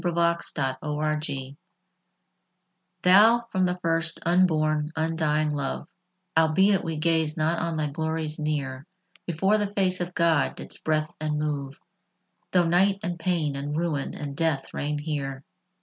XIX =Love= I Thou, from the first, unborn, undying love, Albeit we gaze not on thy glories near, Before the face of God didst breath and move, Though night and pain and ruin and death reign here.